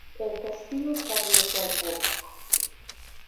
El castillo está abierto al público.